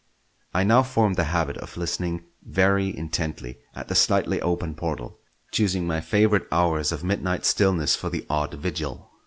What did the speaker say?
I now formed the habit of listening very intently at the slightly open portal, choosing my favourite hours of midnight stillness for the odd vigil.